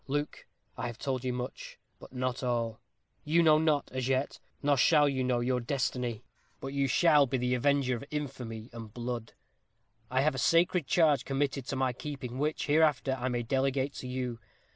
Luke, I have told you much but not all. You know not, as yet nor shall you know your destiny; but you shall be the avenger of infamy and blood. I have a sacred charge committed to my keeping, which, hereafter, I may delegate to you.